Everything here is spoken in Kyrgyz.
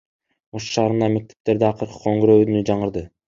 Ош шаарындагы мектептерде акыркы коңгуроо үнү жаңырды.